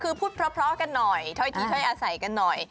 คือพูดเพราะกันหน่อยถ้อยทีถ้อยอาศัยกันหน่อย